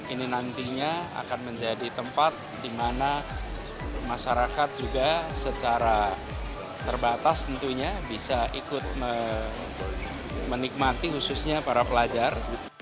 intinya akan menjadi tempat dimana masyarakat juga secara terbatas tentunya bisa ikut menikmati khususnya para pelajar